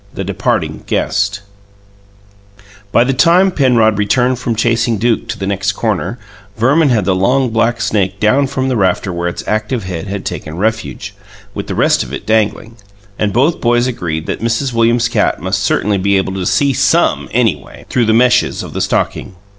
THE DEPARTING GUEST By the time Penrod returned from chasing Duke to the next corner, Verman had the long, black snake down from the rafter where its active head had taken refuge, with the rest of it dangling; and both boys agreed that Mrs. Williams's cat must certainly be able to "see SOME, anyway", through the meshes of the stocking.